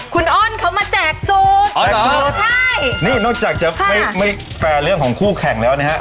คุณโอนเค้ามาแจกสูตรอ๋อเหรอใช่นี่นอกจากจะไม่ไม่แปลเรื่องของคู่แข่งแล้วนี่ฮะ